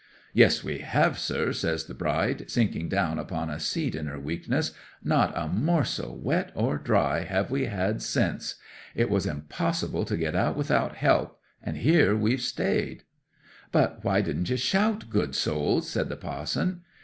'"Yes, we have, sir!" says the bride, sinking down upon a seat in her weakness. "Not a morsel, wet or dry, have we had since! It was impossible to get out without help, and here we've stayed!" '"But why didn't you shout, good souls?" said the pa'son.